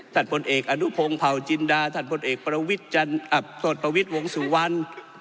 ผลเอกอนุพงศ์เผาจินดาท่านพลเอกประวิทย์วงสุวรรณ